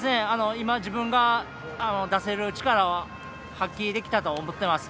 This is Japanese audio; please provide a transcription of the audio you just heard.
今、自分が出せる力を発揮できたと思ってます。